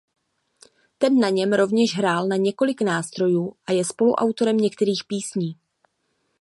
Ten na něm rovněž hrál na několik nástrojů a je spoluautorem některých písní.